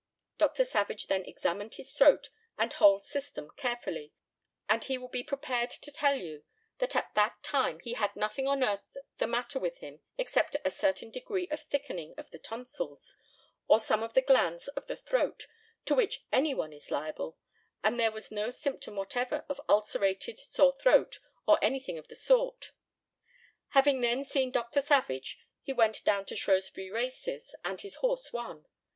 Dr. Savage then examined his throat and whole system carefully, and he will be prepared to tell you that at that time he had nothing on earth the matter with him except a certain degree of thickening of the tonsils, or some of the glands of the throat, to which anyone is liable, and there was no symptom whatever of ulcerated sore throat or anything of the sort. Having then seen Dr. Savage, he went down to Shrewsbury Races, and his horse won.